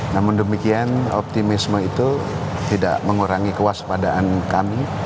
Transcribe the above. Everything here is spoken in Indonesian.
namun demikian optimisme itu tidak mengurangi kewaspadaan kami